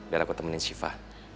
biar aku temenin syifa